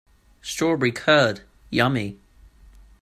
Strawberry curd, yummy!